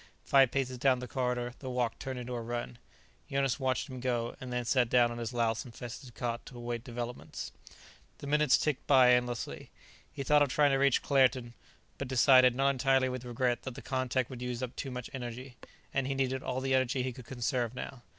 Five paces down the corridor, the walk turned into a run. Jonas watched him go, and then sat down on his louse infested cot to await developments. The minutes ticked by endlessly. He thought of trying to reach Claerten, but decided, not entirely with regret, that the contact would use up too much energy. And he needed all the energy he could conserve now.